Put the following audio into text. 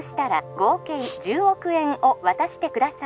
☎合計１０億円を渡してください